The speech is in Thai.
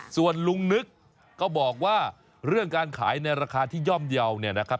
ส่วนลุงนึกก็บอกว่าเรื่องการขายในราคาที่ย่อมเดียว